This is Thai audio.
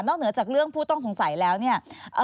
เหนือจากเรื่องผู้ต้องสงสัยแล้วเนี่ย